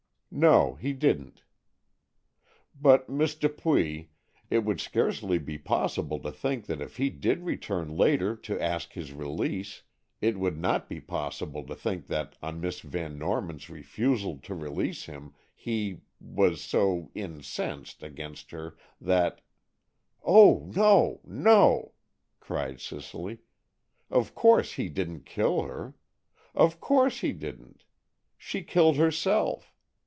"No, he didn't." "But, Miss Dupuy, it would scarcely be possible to think that if he did return later to ask his release—it would not be possible to think that on Miss Van Norman's refusal to release him he—was so incensed against her that——" "Oh, no, no!" cried Cicely. "Of course he didn't kill her! Of course he didn't! She killed herself!